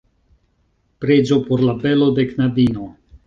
Preĝo por la belo de knabino.